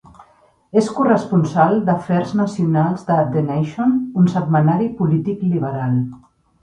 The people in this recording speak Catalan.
És corresponsal d'afers nacionals de "The Nation", un setmanari polític liberal.